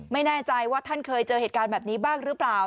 ไม่แน่ใจว่าท่านเคยเจอเหตุการณ์แบบนี้บ้างหรือเปล่า